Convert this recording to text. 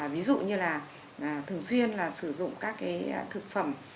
ví dụ như là thường xuyên là sử dụng các cái thực phẩm